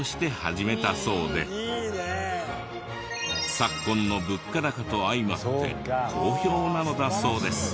昨今の物価高と相まって好評なのだそうです。